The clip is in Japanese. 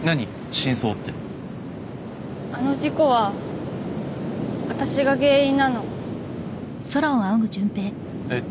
真相ってあの事故は私が原因なのえっ？